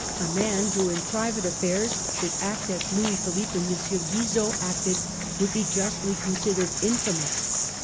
A man who in private affairs should act as Louis Philippe and M. Guizot acted would be justly con sidered infamous.